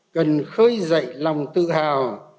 cần khơi dậy lòng tự hào